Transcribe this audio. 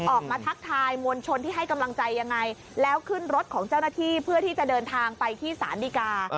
ทักทายมวลชนที่ให้กำลังใจยังไงแล้วขึ้นรถของเจ้าหน้าที่เพื่อที่จะเดินทางไปที่ศาลดีกา